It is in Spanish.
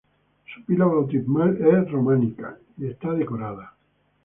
Su pila bautismal es románica y está decorada.